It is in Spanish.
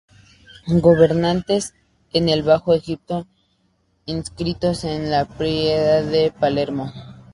Gobernantes en el Bajo Egipto, inscritos en la Piedra de Palermo.